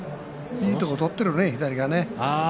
いいところを取ってるね左が。